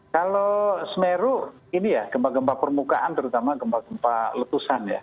kalau semeru ini ya gempa gempa permukaan terutama gempa gempa letusan ya